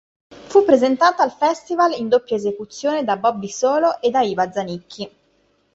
Fu presentata al Festival in doppia esecuzione da Bobby Solo e da Iva Zanicchi.